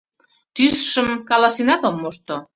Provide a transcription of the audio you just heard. Тӱсшым каласенат ом мошто.